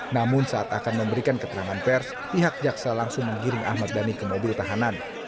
namun saat akan memberikan keterangan pers pihak jaksa langsung menggiring ahmad dhani ke mobil tahanan